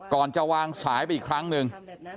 ก่อนจะวางสายไปอีกครั้งหนึ่ง